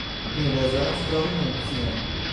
Mi bezonas trovi municion.